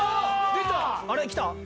あれ？来た？